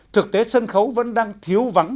thực tế sân khấu vẫn đang thiếu vắng